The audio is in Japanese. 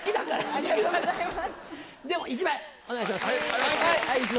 ありがとうございます。